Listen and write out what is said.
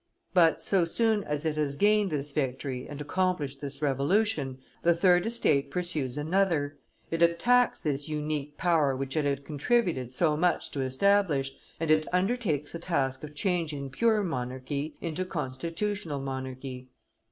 But, so soon as it has gained this victory and accomplished this revolution, the third estate pursues another: it attacks this unique power which it had contributed so much to establish, and it undertakes the task of changing pure monarchy into constitutional monarchy.